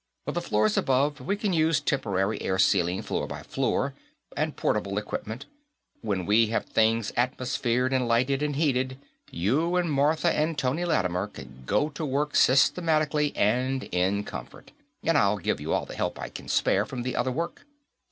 For the floors above, we can use temporary airsealing floor by floor, and portable equipment; when we have things atmosphered and lighted and heated, you and Martha and Tony Lattimer can go to work systematically and in comfort, and I'll give you all the help I can spare from the other work.